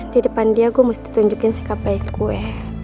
di depan dia gue mesti tunjukin sikap baik gue